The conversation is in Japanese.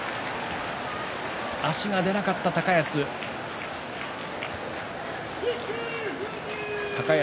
足が出なかった高安。